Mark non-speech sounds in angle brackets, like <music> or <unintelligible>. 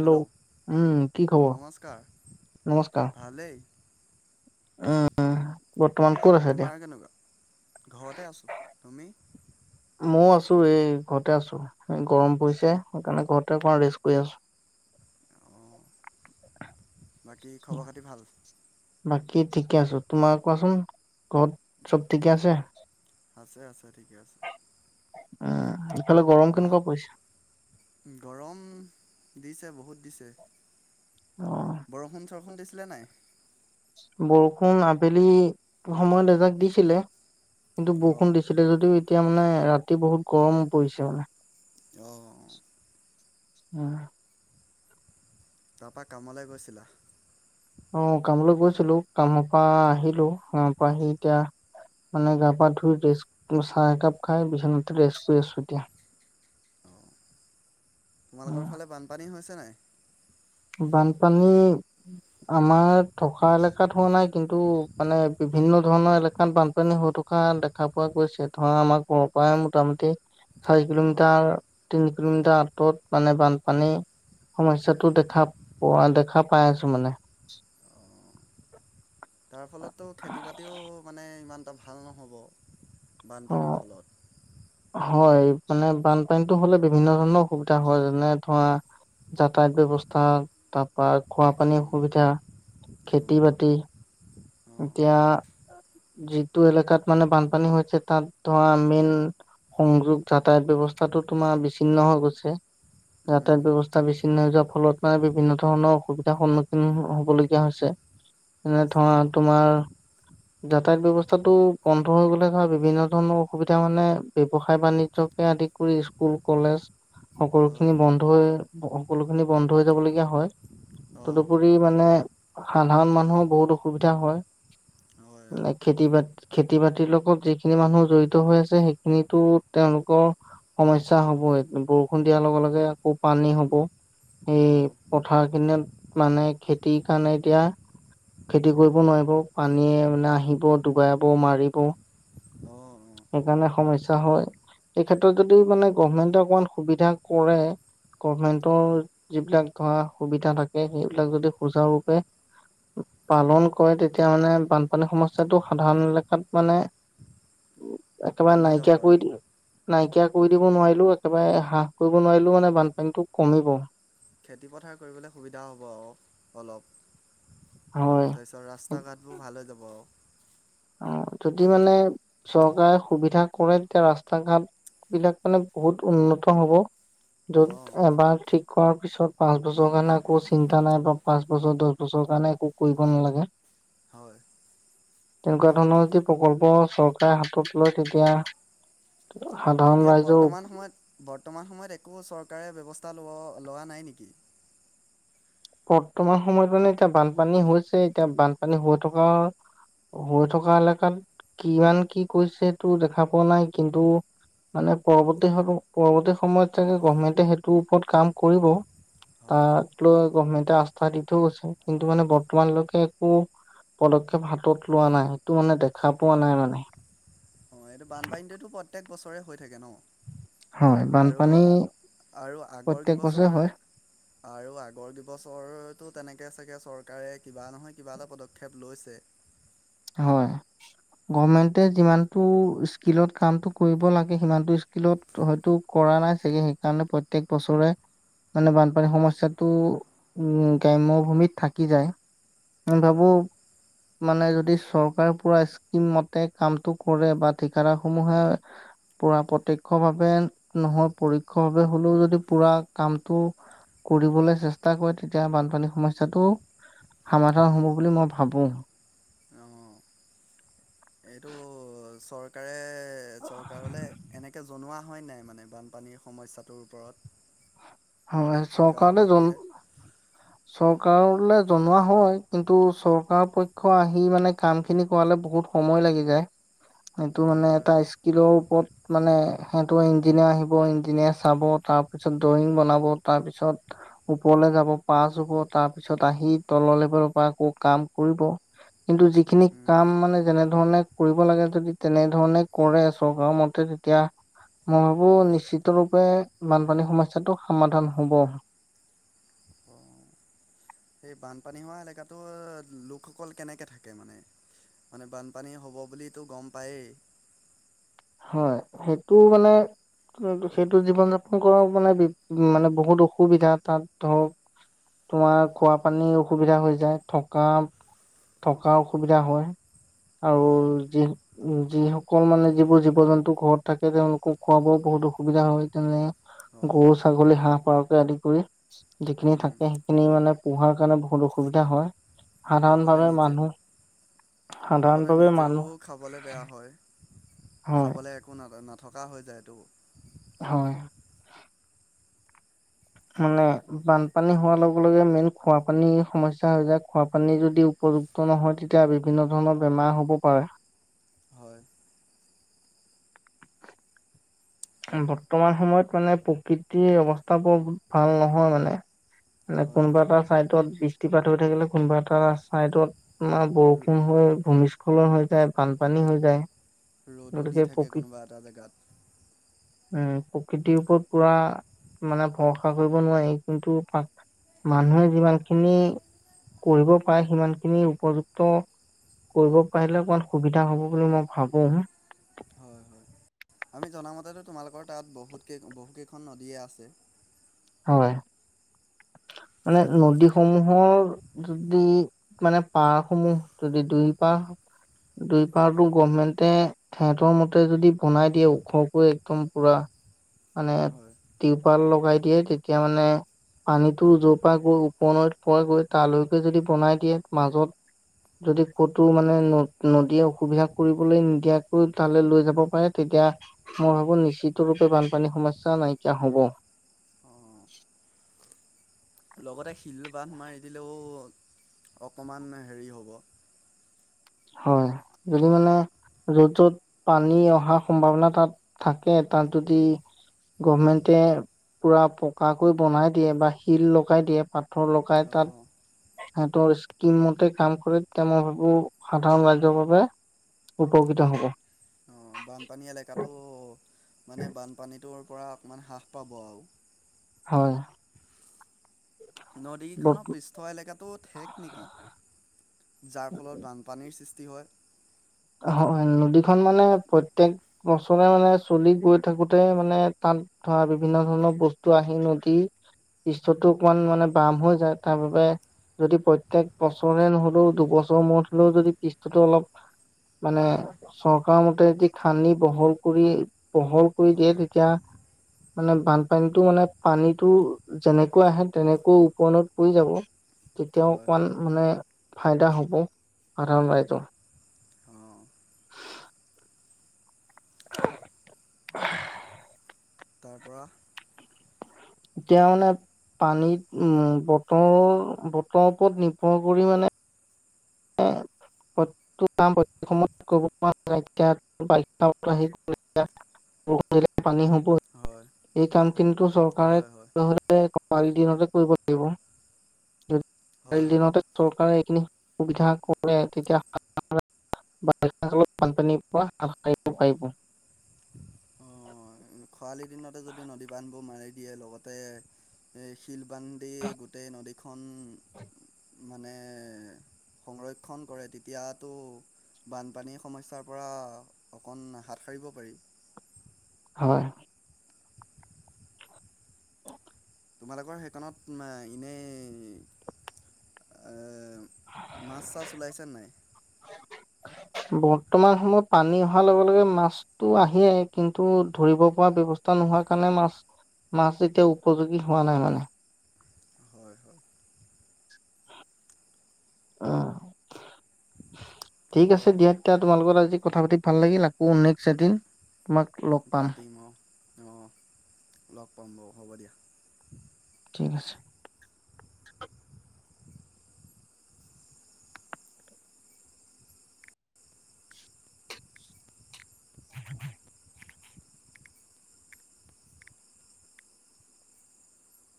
Hello উম কি খবৰ নমস্কাৰ ভালেই। উম, উম। বৰ্তমান ক'ত? তোমাৰ কেনেকুৱা, ঘৰতে আছোঁ তুমি? ময়ো আছো এই ঘৰতে আছো গৰম পৰিছে সেইকাৰণে ঘৰতে অকণমান ৰেষ্ট কৰি আছো। অ, বাকী আছো। খবৰ খাতি ভাল। বাকী ঠিকে আছো। তোমাৰ কোৱাচোন ঘৰত চব ঠিকে আছে। আছে আছে ঠিকে আছে। উম, ইফালে গৰম মা কেনেকুৱা পৰিছে? গৰম দিছে বহুত দিছে। অ বৰষুণ চৰষুণ দিছিলে নাই? বৰষুণ আবেলি সময়ত এজাক দিছিলে। কিন্তু বৰষুণ অঁ দিছিলে যদিও এতিয়া মানে ৰাতি বহুত গৰম পৰিছে মানে। অঁ উম। তাৰপা কামলে গৈছিলা? অ' কামলৈ গৈছিলোঁ, কামপা আহিলো কামপা আহি এতিয়া মানে গাপা ধুই, ৰেছ চাহ একাপ খাই বিছনাতে ৰেষ্ট লৈ আছো এতিয়া। অ তোমালোকৰ ফালে বানপানী হৈছে নাই? বানপানী আমাৰ থকা এলেকাত হোৱা নাই, কিন্তু মানে বিভিন্ন ধৰণৰ এলেকাত বানপানী হৈ থকা দেখা পোৱা গৈছে। ধৰা আমাৰ ঘৰ পৰাই মোটামুটি চাৰি অঁ কিলোমিটাৰ, তিনি কিলোমিটাৰ, আঁতৰত মানে বানপানী সমস্যাতটো দেখ খা পোৱা দেখা পাই আছো মানে। অঁ তাৰ ফলতো খেতি বাতিও, মানে ইমান এটা ভাল নহ'ব, অ বানপানীৰ ফলত। হয়, মানে বানপানীটো হলে বিভিন্ন ধৰণৰ অসুবিধা হয়। যেনে ধৰা যাতায়ত ব্যৱস্থা, তাপা খোৱা পানী উম, সুবিধা, অঁ খেতি-বাতি অঁ এতিয়া যিটো এলেকাত মানে বানপানী হৈছে, তাত তোমা মেইন সংযোগ যাতায়ত ব্যৱস্থাটো তোমাৰ, বিচ্ছিন্ন হৈ গৈছে। যাতায়ত উম ব্যৱস্থা বিচচ্ছন্ন হৈ যোৱাৰ ফলত, মানে বিভিন্ন ধৰণৰ অসুবিধা সন্মুখীন হবলগীয়া হৈছে। এনে হৈছে ধৰা অঁ তোমাৰ যাতায়ত ব্যৱস্থাটো বন্ধ হৈ গ'লে ধৰা বিভিন্ন ধৰণৰ অসুবিধা মানে ব্যৱসায় বাণিজ্যক কে আদি কৰি স্কুল, কলেজ। সকলোখিনি হয় বন্ধ হৈ সকলোখিনি বন্ধ হৈ যাবলগীয়া হয়। অঁ তদুপৰি মানে, সাধাৰণ মানুহৰ বহুত অসুবিধা হয়। হয় অঁ নে খেতি বাতি খেতি বাতিৰ লগত যিখিনি মানুহ জৰি়ত হৈ আছে সেইখিনিটো তেওঁলোকৰ সমস্যা হবই। এই বৰষুণ দিয়া ৰ লগে লগে আকৌ পানী হ'ব। এই অঁ পথাৰ খিনিত, মানে খেতিৰ কাৰণে এতিয়া খেতি কৰিব নোৱাৰিব, পানীয়ে মানে আহিব, ডুগাব, মাৰিব। অ অ সেইকাৰণে সমস্যা হয়। এই ক্ষেত্ৰত যদি মানে, গভমেন্টে অকমান সুবিধা কৰে গভমেণ্টৰ হয় যিবিলাক ধৰা সুবিধা থাকে সেইবিলাক যদি সুচাৰুৰূপে পালন কৰে তেতিয়া মানে বানপানী সমস্যাটো সাধাৰণ এলেকাত মানে একেবাৰে কমি যাব নাইকিয়া আৰু কৰি দিলে নাইকিয়া কৰি দিব নোৱাৰিলোঁ একেবাৰে হ্ৰাস কৰিব নোৱাৰিলোও মানে বানপানীতটো কমিব। খেতিপথাৰ কৰিবলে সুবিধা হ'ব আৰু অলপ। হয়। তাৰপিছত, ৰাস্তা ঘাটবোৰ ভাল হৈ যাব আৰু। অ, যদি মানে, চৰকাৰে সুবিধা কৰে, তেতিয়া ৰাস্তা ঘাট বিলাক মানে, বহুত উন্নত হব। অঁ য'ত এবাৰ ঠিক কৰা পিছত পাঁচ বছৰ কাৰণে একো চিন্তা নাই, বা পাঁচ বছৰ দছ বছৰ কাৰণে এক কৰিব নালাগে। হয়! তেনেকুৱা ধৰণৰ যদি প্ৰকল্প, চৰকাৰে হাতত লয়। তেতিয়া, সাধাৰণ এতিয়া, ৰাইজৰ বৰ্তমান সময়ত, বৰ্তমান সময়ত একো চৰকাৰে ব্যৱস্থা ল-লোৱা নাই নেকি? বৰ্তমান সময়ত মানে, এতিয়া বানপানী হৈছে, এতিয়া বানপানী হৈ থকা হৈ থকা এলেকাত, কিমান কি কৰিছে, এইটো দেখা পোৱা নাই। কিন্তু, মানে, পৰৱৰ্তী সেইটো, পৰৱৰ্তী সময়ত চাগে গভাৰ্ণমেণ্টে সেইটো ওপৰত কাম কৰিব। হয় হয় তাক লৈ, গভমেণ্টে আস্থা দি থৈ গৈছে। কিন্তু মানে, বৰ্তমান লৈকে একো পদক্ষেপ হাতত লোৱা নাই। সেইটো মানে, দেখা পোৱা নাই মানে। অ'! এইটো, বানপানীটোতো প্ৰত্যেক বছৰেই হৈ থাকে, ন'? হয় আৰু, বানপানী আৰু আগৰ প্ৰত্যেক বছৰে কিবছৰ হয় আৰু আগৰ কিবছৰটো তেনেকে চাগে, চৰকাৰে কিবা নহয়, কিবা এটা পদক্ষেপ লৈছে। হয়! গভমেণ্টে যিমানটো, স্কিলত কামটো কৰিব লাগে, সিমানটো স্কিলত ত' হয়তো কৰা নাই চাগে। সেইকাৰণে, প্ৰত্যেক বছৰে মানে, বানপানীৰ সম্যাটো উম, গ্ৰাম্য ভূমিত থাকি যায়। আমি হয় ভাবোঁ! মানে যদি চৰকাৰে পূৰা স্কিম মতে, কামটো কৰে বা ঠিকাদাৰ সমূহে পূৰা প্ৰত্যক্ষ ভাৱে নহয়, পৰোক্ষ ভাৱে হ'লেও যদি, পূৰা কামটো কৰিবলৈ চেষ্টা কৰে। তেতিয়া, বানপানীৰ সমস্যাটো সমাধান হ'ব বুলি মই ভাবোঁ। অঁ এইটো, চৰকাৰে-চৰকাৰলে, এনেকে জনোৱা হয় নাই মানে, বান পানী সমস্যাটোৰ ওপৰত? হয! চৰকাৰলে যোন গাঁওবাসীয়ে? <inaudible> চৰকাৰলে জনোৱা হয়। কিন্তু, চৰকাৰ পক্ষ আহি মানে, কামখিনি কৰালে বহুত সময় লাগি যায়। সেইটো উম, মানে, হয় এটা হয়। স্কিলৰ ওপৰত মানে, সিহঁতৰ ইঞ্জিনিয়াৰ আহিব, ইঞ্জিনিয়াৰ চাব। তাৰপিছত, ড্ৰয়িং বনা ব। তাৰপিছত, ওপৰল যাব, পাছ হ'ব। তাৰপিছত, আহি তলৰ লেবেলৰ পৰা আকৌ কাম কৰিব। কিন্তু, যিখিনি উম, কাম মানে, যেনেধৰণে কৰিব লাগে। যদি, তেনেধৰণে কৰে, চৰকাৰৰ মতে তে তিয়া, মই ভাবোঁ! নিশ্চিত ৰূপে বানপানী সমস্যাটো সমাধান হ'ব। উম। সেই, বানপানী হোৱা এলেকাটো, লোকসকল কেনেকে থাকে মানে? মানে, বানপানী হ'ব বুলিতো গম পায়েই। হয়! সেইটো মানে, কি সেইটো, জীৱন-যাপন কৰাও মানে, মানে বহুত অসুবিধা, তাত ধৰক। তোমাৰ, খোৱা পানীৰ অসুবিধা হৈ যায়, থকা। থকা অসুবিধা হয়। আৰু হয়। যি, যিসকল মানে, যিবোৰ জীৱ-জন্তু ঘৰত থাকে, তেওঁলোকৰো খোৱা বোৱাত বহুত অসুবিধা হয়। তেনে, গৰু, অঁ ছাগলী, হাঁহ, পাৰকে আদি কৰি। যিখিনি উম, থাকে, সেইখিনি মানে, পোহাৰ কাৰণে বহুত অসুবিধা হয়। সাধাৰণ লগতে ভাৱে নিজে মানুহ, সাধাৰণ ভাৱে মানুহ খাবলে বেয়া হয়! হয় খাবলে একো, না-নথকা হৈ যায়তো। হয়! মানে, বানপানী হোৱাৰ লগে-লগে, মেইন খোৱা পানী সমস্যা হৈ যায়। খোৱা পানী যদি উপযু নহয় তেতিয়া বিভিন্ন ধৰণৰ বেমাৰ হ'ব পাৰে হয় বৰ্তমান সময়ত মানে প্ৰকৃতিৰ অৱস্থাবোৰ ভাল নহয় মানে মানে হয় কোনোবা হয় এটা চাইডত বৃষ্টিপাত হৈ থাকিলে কোনোবা এটা চাইডত তোমাৰ বৰষুণ হৈ ভূমিস্খলন হৈ যায় বানপানী হৈ যায় ৰ'দো দি গতিকে থাকে প্ৰকৃ কোনোবা এটা জেগাত উম প্ৰকৃতিৰ ওপৰত পুৰা মানে ভৰসা কৰিব নোৱাৰি কিন্তু তাক মানুহে যিমান খিনি কৰিব পাৰে সিমান খিনি উপযুক্ত কৰিব পাৰিলে অকণমান সুবিধা হ'ব বুলি মই ভাবোং হয় হয় আমি জনামতেতো তোমালোকৰ তাত বহুত কেই বহুকেইখন নদীয়ে আছে হয় মানে নদীসমূহৰ যদি মানে পাৰ সমূহ যদি দুই পাৰ দুই পাৰটো গভমেণ্টে সেঁহতৰ মতে যদি বনাই দিয়ে ওখকৈ একদম পুৰা মানে হয়। টিউপাল লগাই দিয়ে তেতিয়া মানে পানীটো যৰ পৰা গৈ ওপনৈত পৰে গৈ তালৈকে যদি বনাই দিয়ে মাজত যদি ক'তো মানে ন নদীয়ে অসুবিধা কৰিবলৈ নিদিয়াকৈ তালৈ লৈ যাব পাৰে তেতিয়া মই ভাবো নিশ্চিত ৰূপে বানপানীৰ সমস্যা নাইকিয়া হব অঁ, লগতে শিল বান্ধ মাৰি দিলেও অকণমান হেৰি হ'ব হয় যদি মানে য'ত য'ত পানী অহাৰ সম্ভাৱনা তাত থাকে তাত যদি গভৰমেণ্টে পুৰা পকাকৈ বনাই দিয়ে বা শিল লগাই দিয়ে পাথৰ লগাই তাত অ'। সেঁহতৰ স্কিম মতে কাম কৰে তেতিয়া মই ভাবো সাধাৰণ ৰাইজৰ বাবে উপকৃত হ'ব অ বানপানী এলেকাটো মানে বানপানীটোৰ পৰা অকণমান হ্ৰাস পাব আৰু হয় বৰ্ত নদীকেইখনৰ পৃষ্ঠ এলেকাটো ঠেক নেকি যাৰ ফলত বান পানীৰ সৃষ্টি হয় হয় নদীখন মানে প্ৰত্যেক বছৰে মানে চলি গৈ থাকোতে মানে তাত ধৰা বিভিন্ন ধৰণৰ বস্তু আহি নদী পৃষ্টটো অকমান মানে বাম হৈ যায় তাৰ বাবে যদি প্ৰত্যেক বছৰে নহলেও দুবছৰৰ মূৰত হলেও যদি পৃষ্ঠটো অলপ মানে চৰকাৰ মতে যদি খান্দি বহল কৰি বহল কৰি দিয়ে হয়। তেতিয়া মানে বানপানীতো মানে পানীটো যেনেকৈ আহে তেনেকৈ ওপনৈত পৰি যাব তেতিয়া হয় অকণমান হয় মানে ফাইদা হ'ব সাধাৰণ ৰাইজৰ অ' <unintelligible> তাৰপৰা এতিয়া মানে পানীত উম বতৰৰ বতৰৰ ওপৰত নিৰ্ভৰ কৰি মানে অ <unintelligible> পানী হবই। হয়। এই কাম খিনিটো চৰকাৰে হয় হয় নহলে প্ৰপাৰ্টি বাবে কৰিব লাগিব। যদি হয় চৰকাৰৰ হয়। দিনতে চৰকাৰে এইখিনি সুবিধা কৰে তেতিয়া বাৰিষা কালত বানপানীৰ পৰা সাৰিব পাৰিব। অ' খৰালি দিনতে যদি নদী বান্ধবোৰ মাৰি দিয়ে, লগতে এই শিলবান্ধি গোটেই নদীখন সংৰক্ষণ কৰে। বানপানীৰ সমস্যাৰ পৰা অকণ হাত সাৰিব পাৰি। হয়। তোমালোকৰ সেইখনত এনেই মা, অহ মাছ- চাছ ওলাইছে নাই? বৰ্তমান সময়ত পানী অহাৰ লগে- লগে মাছ টো আহে, কিন্তু ধৰিব পৰা ব্যৱস্থা নোহোৱাৰ কাৰণে মাছ মাছ এতিয়া উপযোগী হোৱা নাই মানে। হয়, হয়। তাৰ ঠিক আছে পৰা দিয়া, এতিয়া তোমাৰ লগত আজি কথা পাতি ভাল লাগিল আকৌ নেক্সট এদিন তোমাক লগ পাম। অ', লগ পাম বাৰু, হ'ব দিয়া। ঠিক আছে। <inaudible>